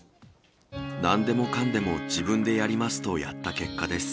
なんでもかんでも自分でやりますとやった結果です。